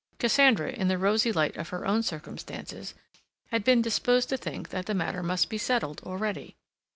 Cassandra, in the rosy light of her own circumstances, had been disposed to think that the matter must be settled already.